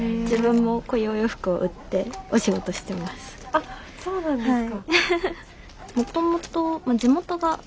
あっそうなんですか。